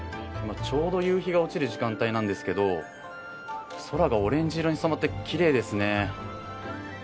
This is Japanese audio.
ちょうど夕日が落ちる時間帯なんですけど空がオレンジ色に染まって奇麗ですね。